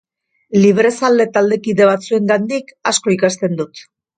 Librezale taldekide batzuengandik asko ikasten dut.